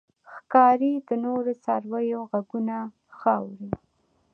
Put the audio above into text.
ښکاري د نورو څارویو غږونه ښه اوري.